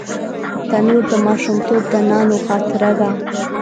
تنور د ماشومتوب د نانو خاطره ده